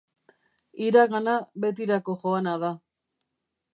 Iragana betirako joana da.